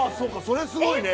それすごいね」